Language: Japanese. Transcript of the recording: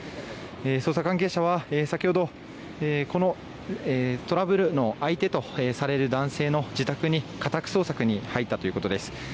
捜査関係者は先ほどトラブルの相手とされる男性の自宅に、家宅捜索に入ったということです。